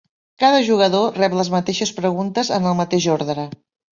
Cada jugador rep les mateixes preguntes en el mateix ordre.